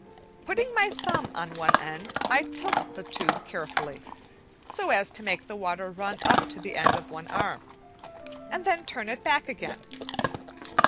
Putting my thumb on one end I tilt the tube carefully, so as to make the water run up to the end of one arm, and then turn it back again.